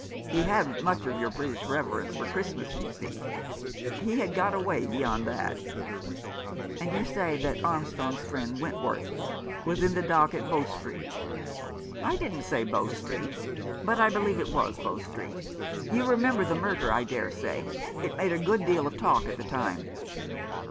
He hadn't much of your British reverence for Christmas, you see. He had got a way beyond that." "And you say that Armstrong's friend Went worth was in the dock at Bow Street ?" 331 Rough Justice. " I didn't say Bow Street— but I believe it was Bow Street. You remember the murder, I dare say. It made a good deal of talk at the time."